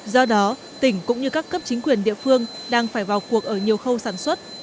do đó tỉnh cũng như các cấp chính quyền địa phương đang phải vào cuộc ở nhiều khâu sản xuất